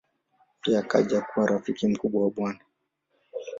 Pia akaja kuwa rafiki mkubwa wa Bw.